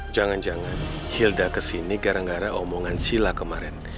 jangan jangan hilda kesini gara gara omongan sila kemarin